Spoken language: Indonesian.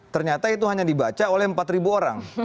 ternyata itu hanya dibaca oleh empat orang